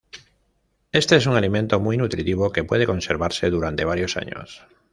Este es un alimento muy nutritivo que puede conservarse durante varios años.